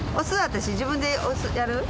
私自分でやる？